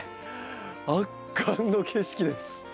圧巻の景色です。